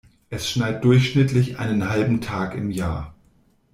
Es schneit durchschnittlich einen halben Tag im Jahr.